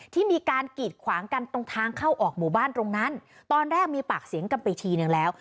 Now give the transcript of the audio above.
ที่มีการกีดขวางกันตรงทางเข้าออกหมู่บ้านตรงนั้นตอนแรกมีปากเสียงกันไปทีนึงแล้ว